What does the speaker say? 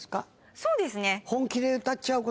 そうですね